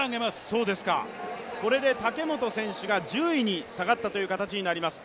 これで武本選手が１０位に下がった形になります。